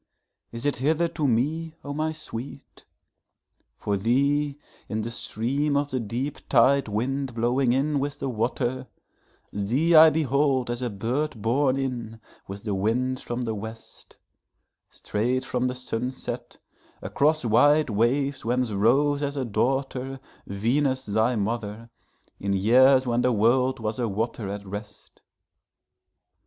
is it hither to me, O my sweet? For thee, in the stream of the deep tidewind blowing in with the water, Thee I behold as a bird borne in with the wind from the west, Straight from the sunset, across white waves whence rose as a daughterVenus thy mother, in years when the world was a water at rest.